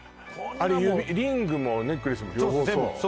あれ指リングもネックレスも両方そう？